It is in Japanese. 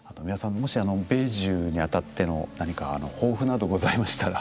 もし米寿にあたっての何か抱負などございましたら。